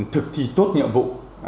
thực thi tốt nhiệm vụ